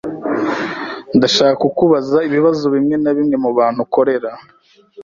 Ndashaka kukubaza ibibazo bimwe na bimwe mubantu ukorera